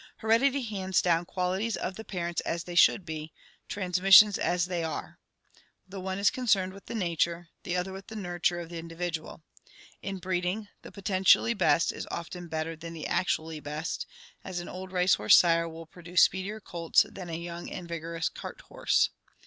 Heredity hands down qualities of the parents as they should be, transmission as they are; the one is concerned with the nature, the other with the nurture of the individual. In breeding, the potentially best is often better than the actually best, as an old race horse sire will produce speedier colts than a young and vigor ous cart horse.